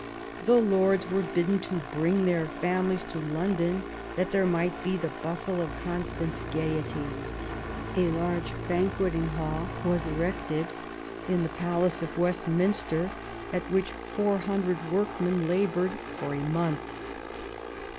The Lords were bidden to bring their families to London, that there might be the bustle of constant gaiety. A large banqueting hall was erected in the palace of Westminster, at which four hundred workmen laboured for a month.